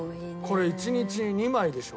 これ１日２枚でしょ？